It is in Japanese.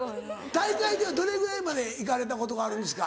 大会ではどれぐらいまで行かれたことがあるんですか？